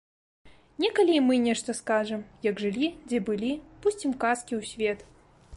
Некалі і мы нешта скажам, як жылі, дзе былі, пусцім казкі ў свет.